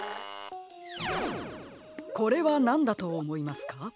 これはなんだとおもいますか？